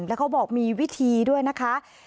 แล้วเขาบอกมีวิธีด้วยนะคะ